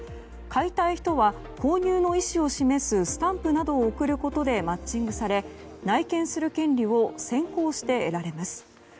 買いたい人は購入の意思を示すスタンプなどを送ることでマッチングされ内見する権利を先行して得られます。